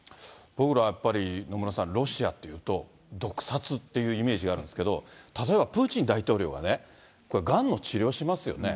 僕らはやっぱり野村さん、ロシアっていうと、毒殺っていうイメージがあるんですけど、例えば、プーチン大統領がね、がんの治療しますよね。